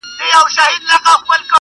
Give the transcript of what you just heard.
نن هغه اور د ابا پر مېنه بل دئ!!